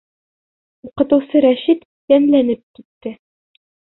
-Уҡытыусы Рәшит йәнләнеп китте.